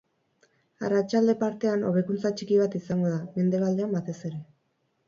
Arratsalde partean, hobekuntza txiki bat izango da, mendebaldean batez ere.